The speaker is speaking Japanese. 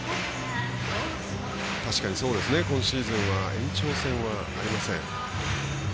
確かに今シーズンは延長戦がありません。